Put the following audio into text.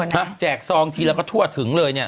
ถ้าแจกซองทีแล้วก็ทั่วถึงเลยเนี่ย